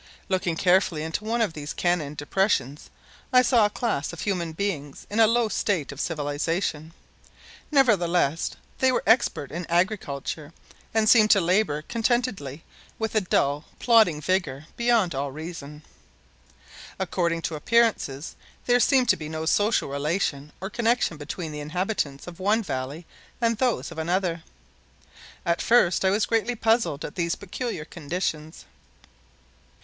Looking carefully into one of these canon depressions, I saw a class of human beings in a low state of civilization; nevertheless, they were expert in agriculture and seemed to labor contentedly with a dull, plodding vigor beyond all reason. According to appearances there seemed to be no social relation or connection between the inhabitants of one valley and those of another. At first I was greatly puzzled at these peculiar conditions.